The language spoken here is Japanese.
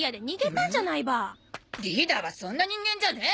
リーダーはそんな人間じゃねえ！